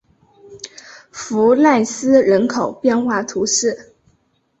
弗赖斯人口变化图示